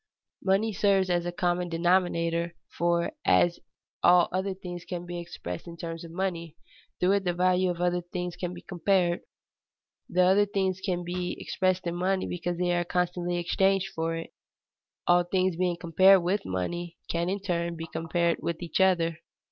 _ Money serves as a "common denominator," for, as all other things can be expressed in terms of money, through it the value of other things can be compared. The other things can be expressed in money because they are constantly exchanged for it. All things being compared with money, can in turn be compared with each other.